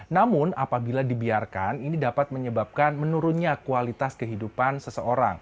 namun apabila dibiarkan ini dapat menyebabkan menurunnya kualitas kehidupan seseorang